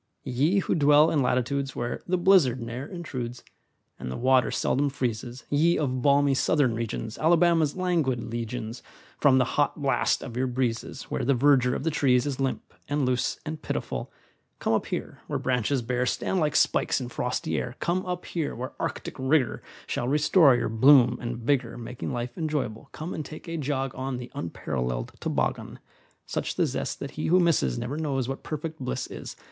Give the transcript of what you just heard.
Ye who dwell in latitudes Where "the blizzard" ne'er intrudes, And the water seldom freezes; Ye of balmy Southern regions, Alabama's languid legions, From the "hot blast" of your breezes, Where the verdure of the trees is Limp, and loose, and pitiful, Come up here where branches bare Stand like spikes in frosty air; Come up here where arctic rigor Shall restore your bloom and vigor, Making life enjoyable; Come and take a jog on The unparalleled toboggan! Such the zest that he who misses Never knows what perfect bliss is.